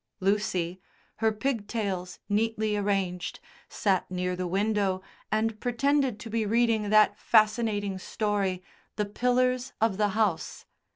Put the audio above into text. Lucy, her pigtails neatly arranged, sat near the window and pretended to be reading that fascinating story, "The Pillars of the House."